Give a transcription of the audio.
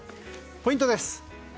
ポイントです。